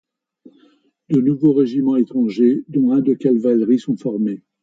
De nouveaux régiments étrangers dont un de cavalerie sont formés.